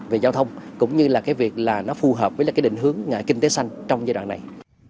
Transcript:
về giao thông cũng như là cái việc là nó phù hợp với cái định hướng kinh tế xanh trong giai đoạn này